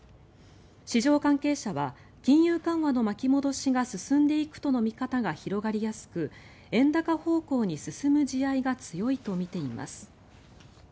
市場関係者は金融緩和の巻き戻しが進んでいくとの見方が広がりやすく円高方向に進む地合いが強いとみています。